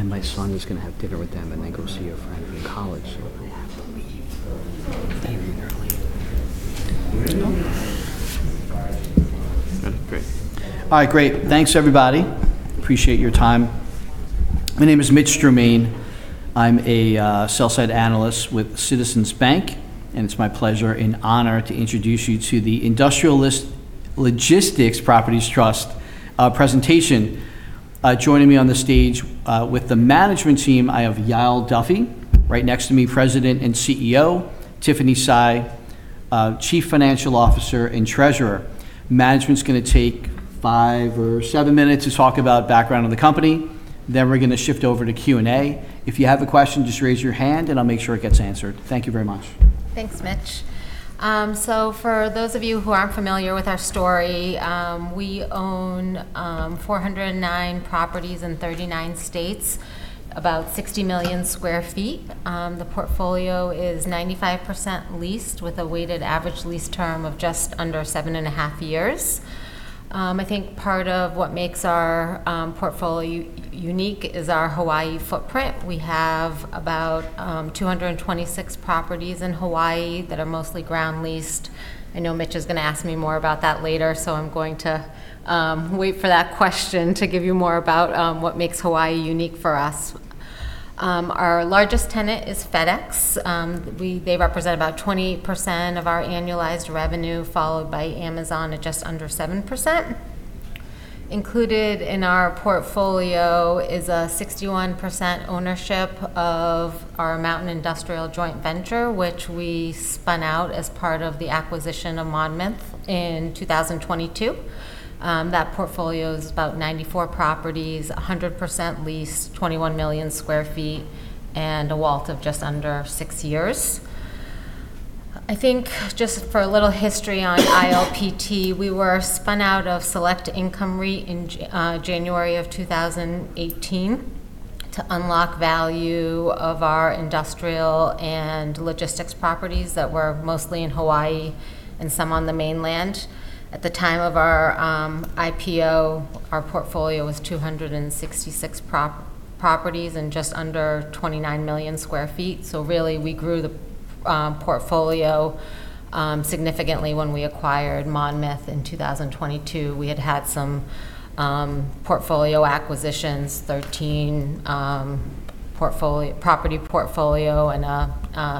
All right, great. Thanks everybody. Appreciate your time. My name is Mitch Germain. I'm a Sell-Side Analyst with Citizens Bank. It's my pleasure and honor to introduce you to the Industrial Logistics Properties Trust presentation. Joining me on the stage with the management team, I have Yael Duffy, right next to me, President and CEO, Tiffany Sy, Chief Financial Officer and Treasurer. Management's going to take five or seven minutes to talk about background on the company. We're going to shift over to Q&A. If you have a question, just raise your hand, and I'll make sure it gets answered. Thank you very much. Thanks, Mitch. For those of you who aren't familiar with our story, we own 409 properties in 39 states, about 60 million square feet. The portfolio is 95% leased, with a weighted average lease term of just under 7.5 years. I think part of what makes our portfolio unique is our Hawaii footprint. We have about 226 properties in Hawaii that are mostly ground leased. I know Mitch is going to ask me more about that later, so I'm going to wait for that question to give you more about what makes Hawaii unique for us. Our largest tenant is FedEx. They represent about 20% of our annualized revenue, followed by Amazon at just under 7%. Included in our portfolio is a 61% ownership of our Mountain Industrial joint venture, which we spun out as part of the acquisition of Monmouth in 2022. That portfolio is about 94 properties, 100% leased, 21 million square feet, and a WALT of just under six years. I think, just for a little history on ILPT, we were spun out of Select Income REIT in January of 2018 to unlock value of our industrial and logistics properties that were mostly in Hawaii and some on the mainland. At the time of our IPO, our portfolio was 266 properties and just under 29 million square feet. Really, we grew the portfolio significantly when we acquired Monmouth in 2022. We had had some portfolio acquisitions, 13-property portfolio and an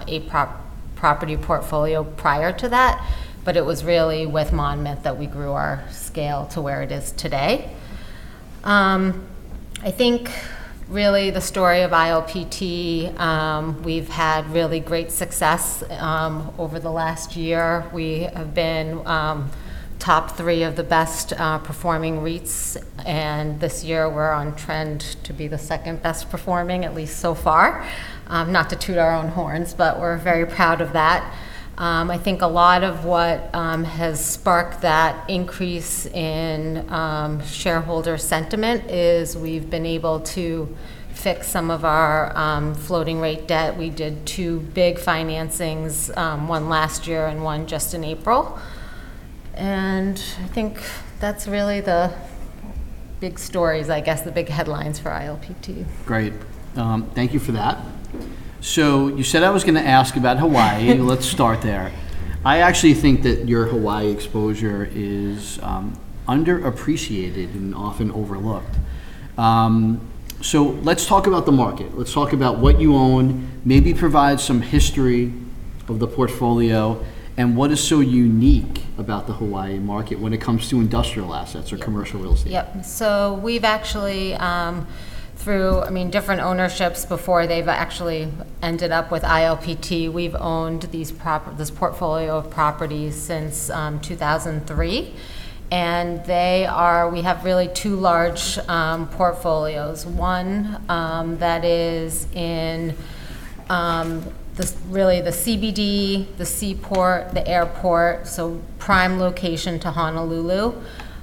eight-property portfolio prior to that. It was really with Monmouth that we grew our scale to where it is today. I think really the story of ILPT, we've had really great success over the last year. We have been top three of the best-performing REITs. This year we're on trend to be the second best performing, at least so far. Not to toot our own horns, we're very proud of that. I think a lot of what has sparked that increase in shareholder sentiment is we've been able to fix some of our floating rate debt. We did two big financings, one last year and one just in April. I think that's really the big stories, I guess the big headlines for ILPT. Great. Thank you for that. You said I was going to ask about Hawaii. Let's start there. I actually think that your Hawaii exposure is underappreciated and often overlooked. Let's talk about the market. Let's talk about what you own. Maybe provide some history of the portfolio and what is so unique about the Hawaii market when it comes to industrial assets or commercial real estate. Yep. We've actually, through different ownerships before they've actually ended up with ILPT, we've owned this portfolio of properties since 2003. We have really two large portfolios. One that is in really the CBD, the seaport, the airport, so prime location to Honolulu.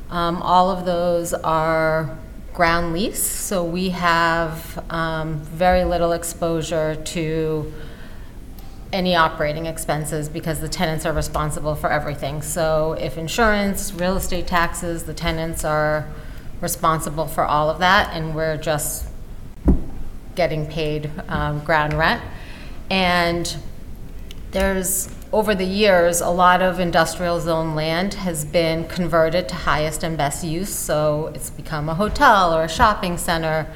All of those are ground lease, so we have very little exposure to any operating expenses because the tenants are responsible for everything. If insurance, real estate taxes, the tenants are responsible for all of that, and we're just getting paid ground rent. Over the years, a lot of industrial zone land has been converted to highest and best use. It's become a hotel or a shopping center.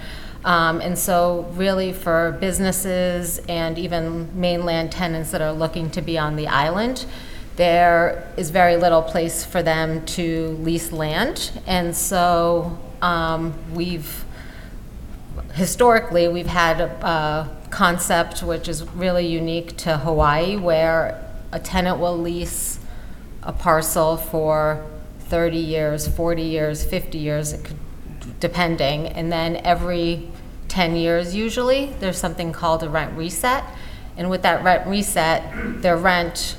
Really for businesses and even mainland tenants that are looking to be on the island, there is very little place for them to lease land. Historically, we've had a concept which is really unique to Hawaii, where a tenant will lease a parcel for 30 years, 40 years, 50 years, depending. Every 10 years usually, there's something called a rent reset, and with that rent reset, their rent,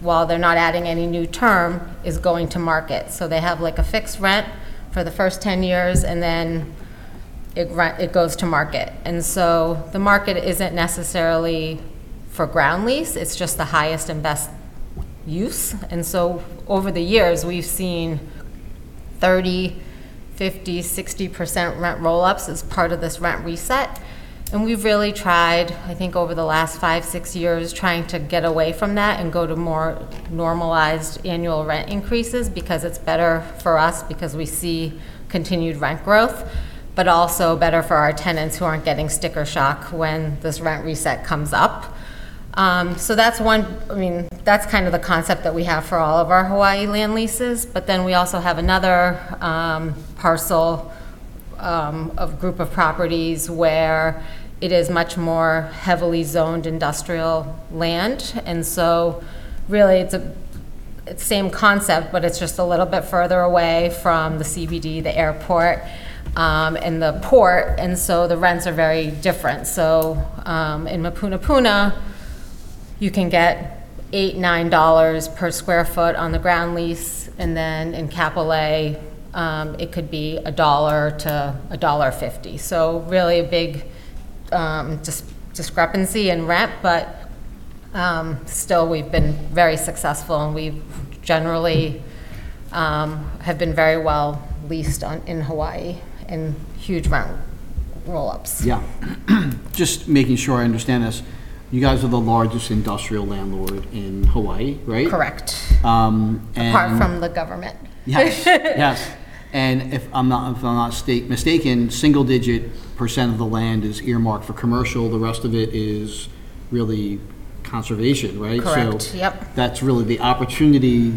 while they're not adding any new term, is going to market. They have a fixed rent for the first 10 years, and then it goes to market. The market isn't necessarily for ground lease. It's just the highest and best use. Over the years, we've seen 30%, 50%, 60% rent roll-ups as part of this rent reset. We've really tried, I think over the last five, six years, trying to get away from that and go to more normalized annual rent increases because it's better for us because we see continued rent growth, but also better for our tenants who aren't getting sticker shock when this rent reset comes up. That's the concept that we have for all of our Hawaii land leases, we also have another parcel of group of properties where it is much more heavily zoned industrial land. Really it's same concept, but it's just a little bit further away from the CBD, the airport, and the port, and so the rents are very different. In Mapunapuna, you can get $8, $9 per square foot on the ground lease. In Kapolei, it could be $1-$1.50. Really a big discrepancy in rent. Still we've been very successful, and we've generally have been very well leased on in Hawaii in huge rent roll-ups. Yeah. Just making sure I understand this. You guys are the largest industrial landlord in Hawaii, right? Correct. And- Apart from the government. Yes. If I'm not mistaken, single-digit percent of the land is earmarked for commercial. The rest of it is really conservation, right? Correct. Yep. That's really the opportunity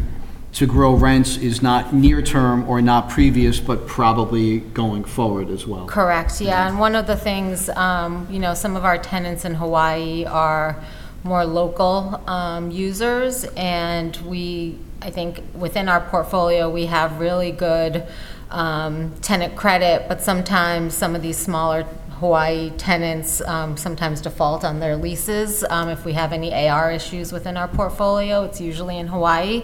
to grow rents is not near term or not previous, but probably going forward as well. Correct. Yeah. One of the things, some of our tenants in Hawaii are more local users, and I think within our portfolio, we have really good tenant credit, but sometimes some of these smaller Hawaii tenants sometimes default on their leases. If we have any AR issues within our portfolio, it's usually in Hawaii.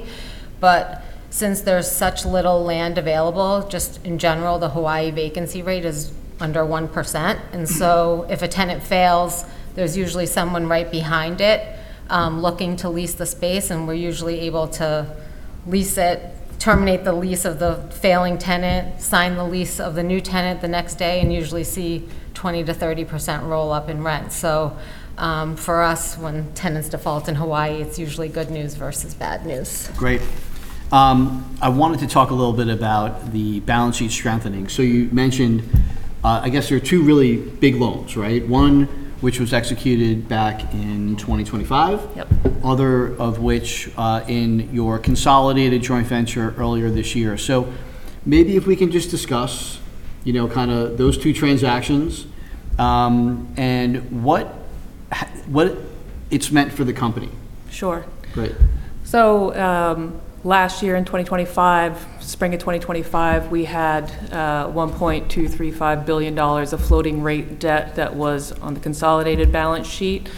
Since there's such little land available, just in general, the Hawaii vacancy rate is under 1%. If a tenant fails, there's usually someone right behind it looking to lease the space, and we're usually able to lease it, terminate the lease of the failing tenant, sign the lease of the new tenant the next day, and usually see 20%-30% roll-up in rent. For us, when tenants default in Hawaii, it's usually good news versus bad news. Great. I wanted to talk a little bit about the balance sheet strengthening. You mentioned, there are two really big loans, right? One which was executed back in 2025. Yep. Other of which, in your consolidated joint venture earlier this year. Maybe if we can just discuss those two transactions, and what it's meant for the company. Sure. Great. Last year in 2025, spring of 2025, we had $1.235 billion of floating rate debt that was on the consolidated balance sheet.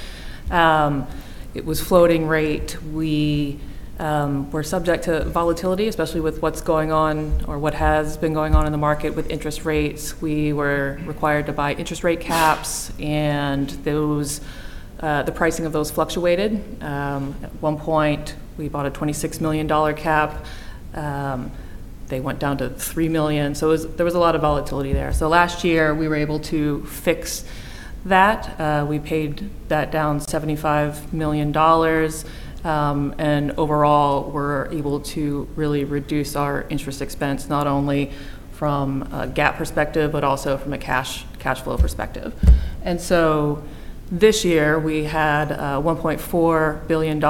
It was floating rate. We were subject to volatility, especially with what's going on or what has been going on in the market with interest rates. We were required to buy interest rate caps, and the pricing of those fluctuated. At one point, we bought a $26 million cap. They went down to $3 million. There was a lot of volatility there. Last year, we were able to fix that. We paid that down $75 million. Overall, we're able to really reduce our interest expense, not only from a GAAP perspective, but also from a cash flow perspective. This year, we had $1.4 billion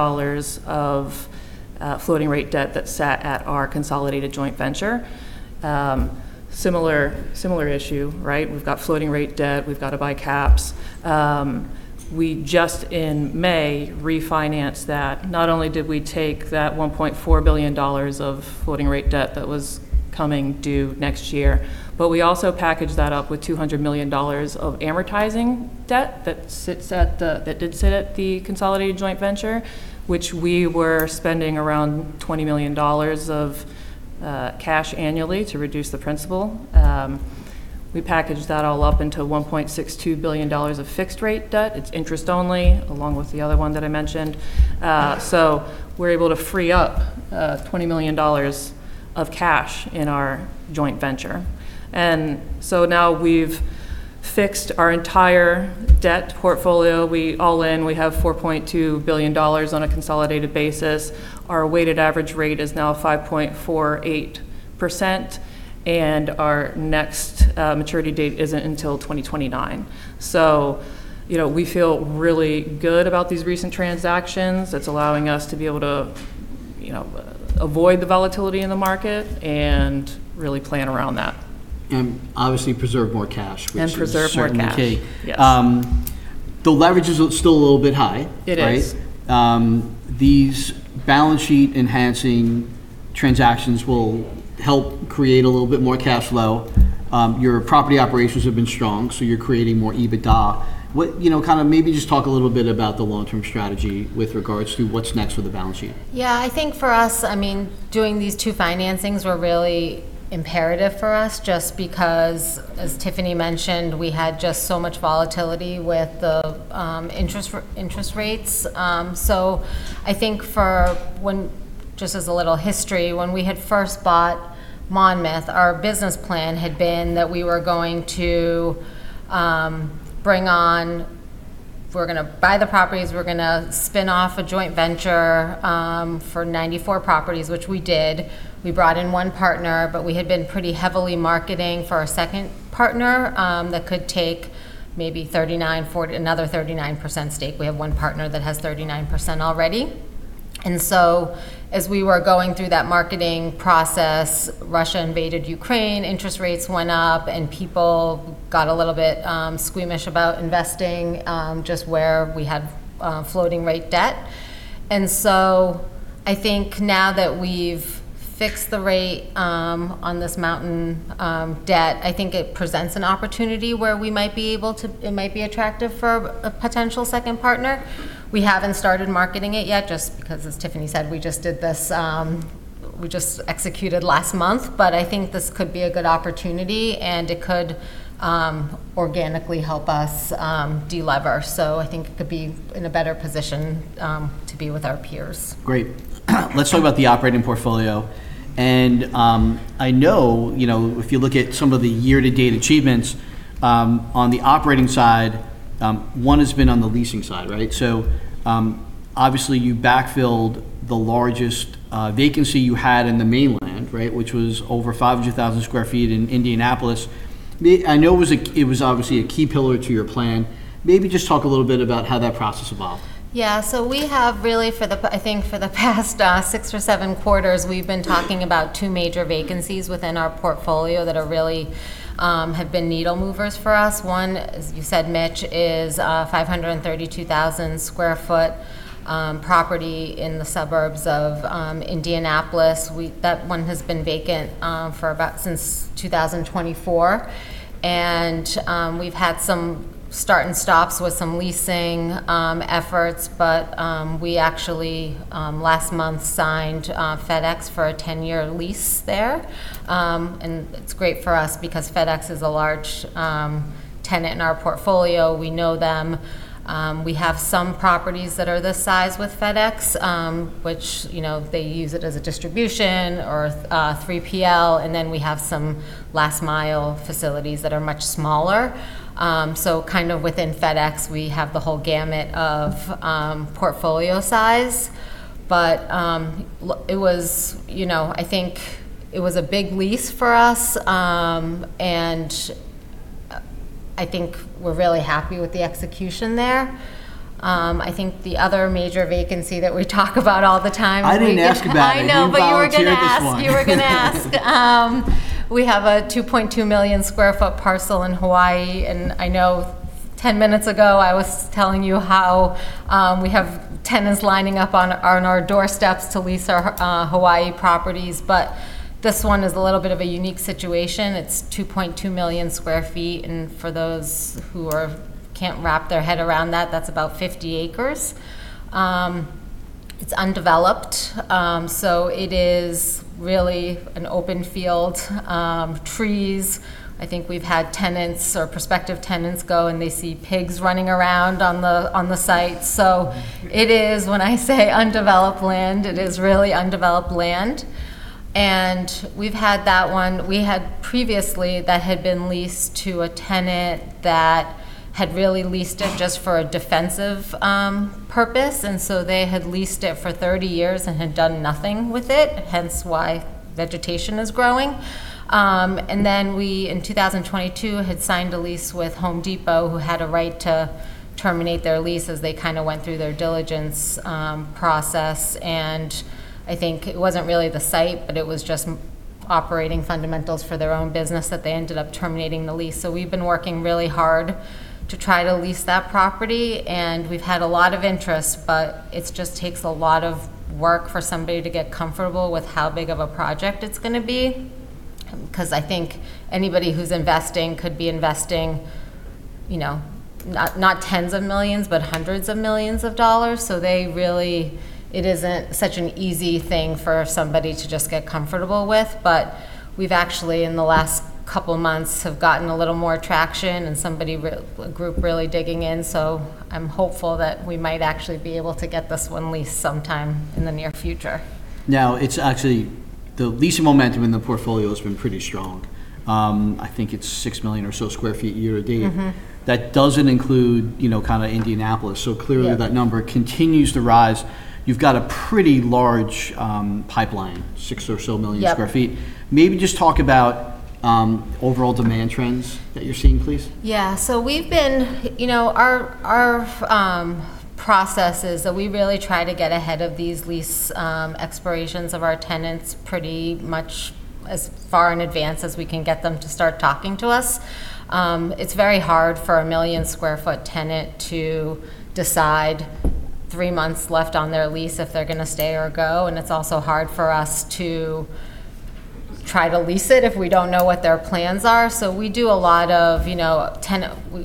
of floating rate debt that sat at our consolidated joint venture. Similar issue, right? We've got floating rate debt. We've got to buy caps. We just in May refinanced that. Not only did we take that $1.4 billion of floating rate debt that was coming due next year, but we also packaged that up with $200 million of amortizing debt that did sit at the consolidated joint venture, which we were spending around $20 million of cash annually to reduce the principal. We packaged that all up into $1.62 billion of fixed rate debt. It's interest only, along with the other one that I mentioned. We're able to free up $20 million of cash in our joint venture. Now we've fixed our entire debt portfolio. All in, we have $4.2 billion on a consolidated basis. Our weighted average rate is now 5.48%, and our next maturity date isn't until 2029. We feel really good about these recent transactions. It's allowing us to be able to avoid the volatility in the market and really plan around that. Obviously preserve more cash, which is certainly key. Preserve more cash. Yes. The leverage is still a little bit high, right? It is. These balance sheet-enhancing transactions will help create a little bit more cash flow. Your property operations have been strong, so you're creating more EBITDA. Maybe just talk a little bit about the long-term strategy with regards to what's next for the balance sheet. I think for us, doing these two financings were really imperative for us just because, as Tiffany mentioned, we had just so much volatility with the interest rates. Just as a little history, when we had first bought Monmouth, our business plan had been that if we're going to buy the properties, we're going to spin off a joint venture, for 94 properties, which we did. We brought in one partner, we had been pretty heavily marketing for a second partner, that could take maybe another 39% stake. We have one partner that has 39% already. As we were going through that marketing process, Russia invaded Ukraine, interest rates went up, and people got a little bit squeamish about investing, just where we had floating rate debt. I think now that we've fixed the rate on this Mountain debt, I think it presents an opportunity where it might be attractive for a potential second partner. We haven't started marketing it yet, just because, as Tiffany said, we just executed last month. I think this could be a good opportunity, and it could organically help us de-lever. I think it could be in a better position to be with our peers. Great. Let's talk about the operating portfolio. I know, if you look at some of the year-to-date achievements, on the operating side, one has been on the leasing side, right? So, obviously you backfilled the largest vacancy you had in the mainland, right, which was over 500,000 sq ft in Indianapolis. I know it was obviously a key pillar to your plan. Maybe just talk a little bit about how that process evolved. Yeah. We have really, I think for the past six or seven quarters, we've been talking about two major vacancies within our portfolio that really have been needle movers for us. One, as you said, Mitch, is a 532,000 sq ft property in the suburbs of Indianapolis. That one has been vacant since 2024. We've had some start and stops with some leasing efforts. We actually, last month, signed FedEx for a 10-year lease there. It's great for us because FedEx is a large tenant in our portfolio. We know them. We have some properties that are this size with FedEx, which they use it as a distribution or 3PL, and then we have some last-mile facilities that are much smaller. Kind of within FedEx, we have the whole gamut of portfolio size. I think it was a big lease for us, and I think we're really happy with the execution there. I think the other major vacancy that we talk about all the time. I didn't ask about it. I know, but you were going to ask. You volunteered this one. You were going to ask. We have a 2.2 million square foot parcel in Hawaii. I know 10 minutes ago, I was telling you how we have tenants lining up on our doorsteps to lease our Hawaii properties, but this one is a little bit of a unique situation. It's 2.2 million square feet, and for those who can't wrap their head around that's about 50 acres. It's undeveloped. It is really an open field, trees. I think we've had tenants or prospective tenants go, and they see pigs running around on the site. It is, when I say undeveloped land, it is really undeveloped land. We've had that one. We had previously, that had been leased to a tenant that had really leased it just for a defensive purpose, and so they had leased it for 30 years and had done nothing with it, hence why vegetation is growing. We, in 2022, had signed a lease with Home Depot, who had a right to terminate their lease as they kind of went through their diligence process. I think it wasn't really the site, but it was just operating fundamentals for their own business that they ended up terminating the lease. We've been working really hard to try to lease that property, and we've had a lot of interest, but it just takes a lot of work for somebody to get comfortable with how big of a project it's going to be. I think anybody who's investing could be investing not tens of millions, but hundreds of millions of dollars. It isn't such an easy thing for somebody to just get comfortable with. We've actually, in the last couple of months, have gotten a little more traction and a group really digging in. I'm hopeful that we might actually be able to get this one leased sometime in the near future. It's actually the leasing momentum in the portfolio has been pretty strong. I think it's 6 million or so square feet year-to-date. That doesn't include kind of Indianapolis. Yeah. Clearly that number continues to rise. You've got a pretty large pipeline, 6 or so million square feet. Yep. Maybe just talk about overall demand trends that you're seeing, please. Our process is that we really try to get ahead of these lease expirations of our tenants pretty much as far in advance as we can get them to start talking to us. It's very hard for a 1 million square foot tenant to decide, three months left on their lease, if they're going to stay or go. It's also hard for us to try to lease it if we don't know what their plans are.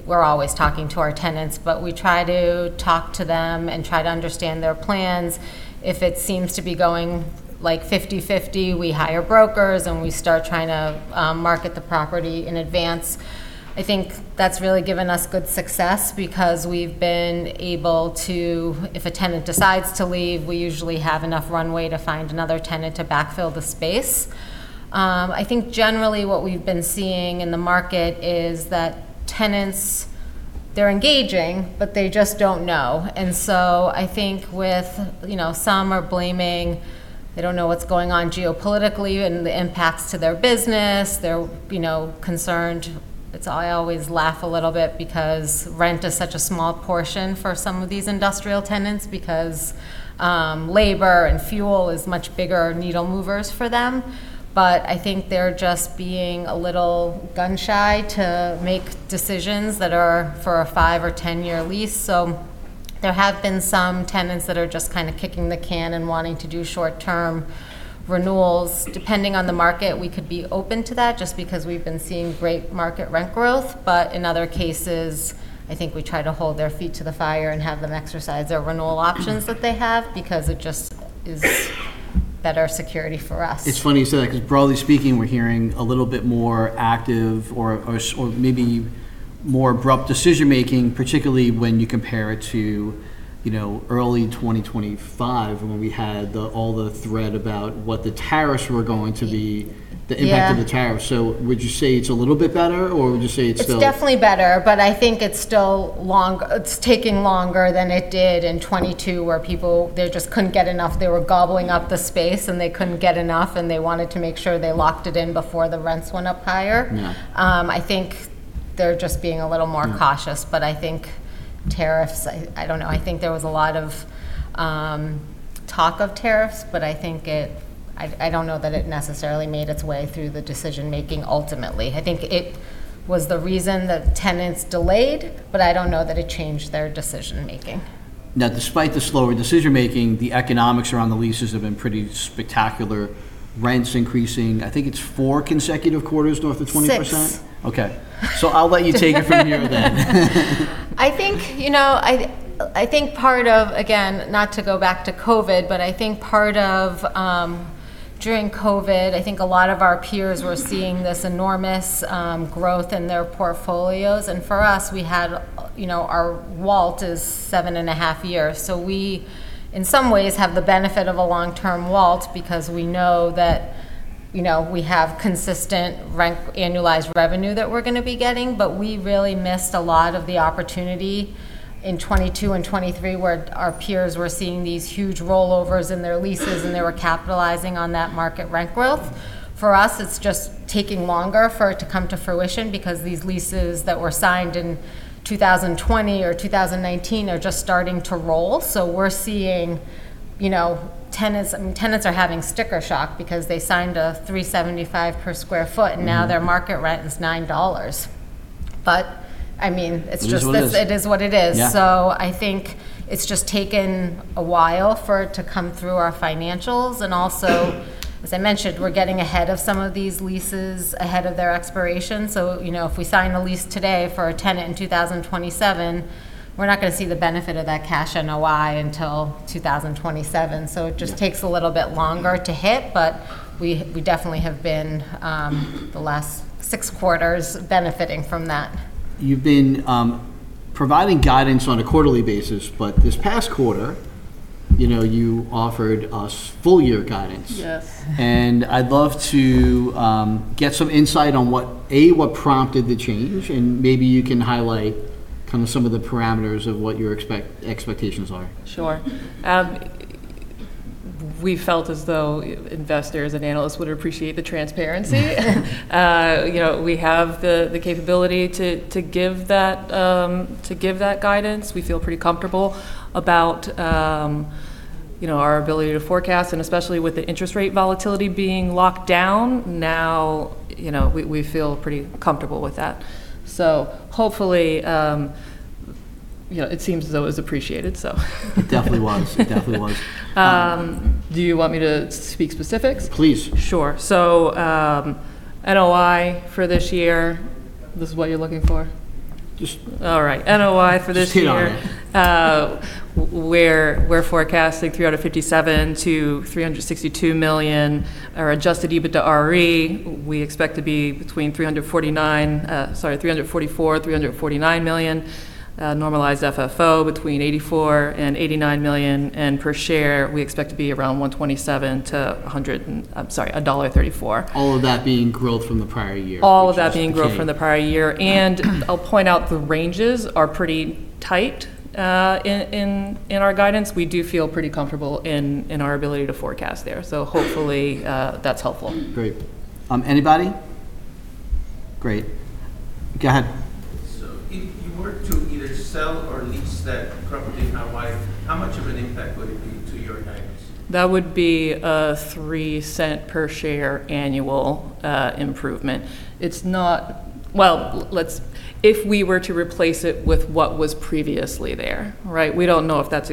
We're always talking to our tenants, but we try to talk to them and try to understand their plans. If it seems to be going like 50/50, we hire brokers, we start trying to market the property in advance. I think that's really given us good success because we've been able to, if a tenant decides to leave, we usually have enough runway to find another tenant to backfill the space. I think generally what we've been seeing in the market is that tenants. They're engaging, but they just don't know. I think some are blaming, they don't know what's going on geopolitically and the impacts to their business. They're concerned. I always laugh a little bit because rent is such a small portion for some of these industrial tenants, because labor and fuel is much bigger needle movers for them. I think they're just being a little gun-shy to make decisions that are for a five or 10-year lease. There have been some tenants that are just kind of kicking the can and wanting to do short-term renewals. Depending on the market, we could be open to that, just because we've been seeing great market rent growth. In other cases, I think we try to hold their feet to the fire and have them exercise their renewal options that they have, because it just is better security for us. It's funny you say that, because broadly speaking, we're hearing a little bit more active or maybe more abrupt decision-making, particularly when you compare it to early 2025, when we had all the threat about what the tariffs were going to be. Yeah. The impact of the tariffs. Would you say it's a little bit better, or would you say it's still? It's definitely better, but I think it's taking longer than it did in 2022, where people just couldn't get enough. They were gobbling up the space, and they couldn't get enough, and they wanted to make sure they locked it in before the rents went up higher. Yeah. I think they're just being a little more- Yeah. cautious, but I think tariffs, I don't know. I think there was a lot of talk of tariffs, but I don't know that it necessarily made its way through the decision-making ultimately. I think it was the reason that tenants delayed, but I don't know that it changed their decision-making. Now, despite the slower decision-making, the economics around the leases have been pretty spectacular. Rents increasing, I think it's four consecutive quarters north of 20%? Six. Okay. I'll let you take it from here then. Again, not to go back to COVID, but I think part of during COVID, I think a lot of our peers were seeing this enormous growth in their portfolios. For us, our WALT is seven and a half years. We, in some ways, have the benefit of a long-term WALT because we know that we have consistent annualized revenue that we're going to be getting. We really missed a lot of the opportunity in 2022 and 2023, where our peers were seeing these huge rollovers in their leases, and they were capitalizing on that market rent growth. For us, it's just taking longer for it to come to fruition because these leases that were signed in 2020 or 2019 are just starting to roll. We're seeing tenants are having sticker shock because they signed a $375 per square foot. Now their market rent is $9. It is what it is. It is what it is. Yeah. I think it's just taken a while for it to come through our financials. Also, as I mentioned, we're getting ahead of some of these leases ahead of their expiration. If we sign a lease today for a tenant in 2027, we're not going to see the benefit of that cash NOI until 2027. Takes a little bit longer to hit. We definitely have been, the last six quarters, benefiting from that. You've been providing guidance on a quarterly basis. This past quarter, you offered us full-year guidance. Yes. I'd love to get some insight on, A, what prompted the change, and maybe you can highlight some of the parameters of what your expectations are. Sure. We felt as though investors and analysts would appreciate the transparency. We have the capability to give that guidance. We feel pretty comfortable about our ability to forecast, especially with the interest rate volatility being locked down, now we feel pretty comfortable with that. Hopefully, it seems as though it was appreciated. It definitely was. It definitely was. Do you want me to speak specifics? Please. Sure. NOI for this year, this is what you're looking for? Just- All right. NOI for this year. Just hit on it. We're forecasting $357 million-$362 million. Our adjusted EBITDAre, we expect to be between $344 million and $349 million. Normalized FFO between $84 million and $89 million. Per share, we expect to be around $1.34. All of that being growth from the prior year. All of that being growth from the prior year. I'll point out the ranges are pretty tight in our guidance. We do feel pretty comfortable in our ability to forecast there. Hopefully, that's helpful. Great. Anybody? Great. Go ahead. If you were to either sell or lease that property in Hawaii, how much of an impact would it be to your guidance? That would be a $0.03 per share annual improvement. If we were to replace it with what was previously there, right? We don't know if that's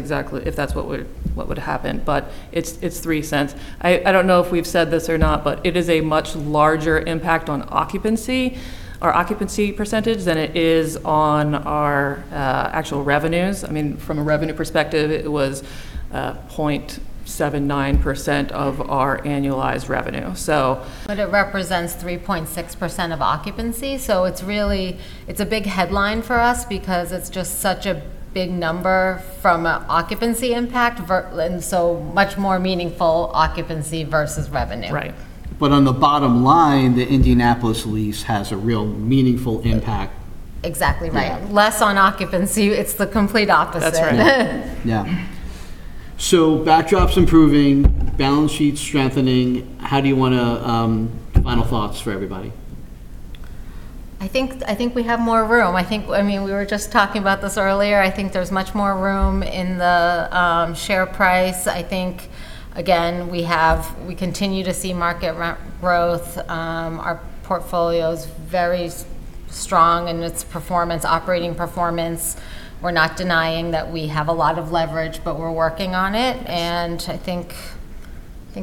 what would happen, but it's $0.03. I don't know if we've said this or not, but it is a much larger impact on occupancy or occupancy percentage than it is on our actual revenues. I mean, from a revenue perspective, it was 0.79% of our annualized revenue. It represents 3.6% of occupancy. It's a big headline for us because it's just such a big number from a occupancy impact, and so much more meaningful occupancy versus revenue. Right. On the bottom line, the Indianapolis lease has a real meaningful impact. Exactly right. Yeah. Less on occupancy. It's the complete opposite. That's right. Yeah. Backdrops improving, balance sheet strengthening. Final thoughts for everybody? I think we have more room. We were just talking about this earlier. I think there's much more room in the share price. I think, again, we continue to see market rent growth. Our portfolio's very strong in its performance, operating performance. We're not denying that we have a lot of leverage, but we're working on it, and I think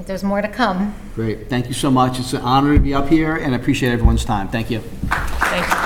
there's more to come. Great. Thank you so much. It's an honor to be up here, and I appreciate everyone's time. Thank you. Thank you.